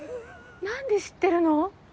何で知ってるの？